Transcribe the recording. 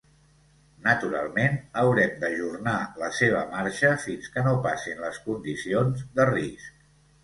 Naturalment, haurem d'ajornar la seva marxa fins que no passin les condicions de risc.